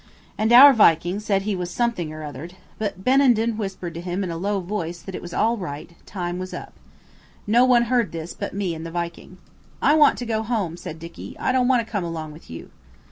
And our Viking said he was something or othered. But Benenden whispered to him in a low voice that it was all right–time was up. No one heard this but me and the Viking. "I want to go home," said Dicky. "I don't want to come along with you."